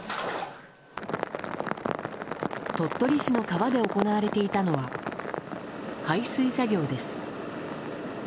鳥取市の川で行われていたのは排水作業です。